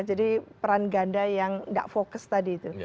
jadi peran ganda yang tidak fokus tadi itu